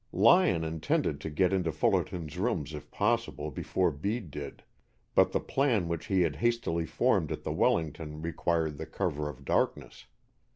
Lyon intended to get into Fullerton's rooms if possible before Bede did, but the plan which he had hastily formed at the Wellington required the cover of darkness.